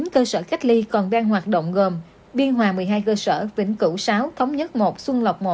hai mươi chín cơ sở cách ly còn đang hoạt động gồm biên hòa một mươi hai cơ sở vĩnh cửu sáu thống nhất một xuân lọc một